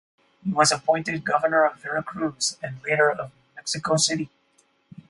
He was appointed governor of Veracruz, and later of Mexico City.